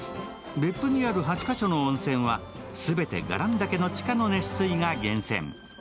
別府にある８か所の温泉は全て伽藍岳の地下の熱水が源泉。